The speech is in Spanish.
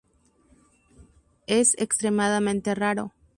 Es extremadamente raro.